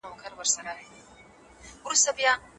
د سترګو تمرین په لوبو وکړئ.